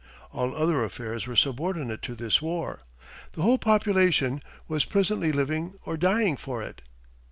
All other affairs were subordinate to this war, the whole population was presently living or dying for it.